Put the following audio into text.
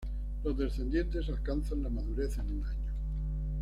Los descendientes alcanzan la madurez en un año.